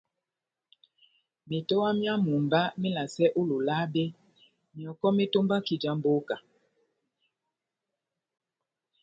Metowa myá mumba melasɛ ó Lolabe, myɔkɔ metombaki já mbóka.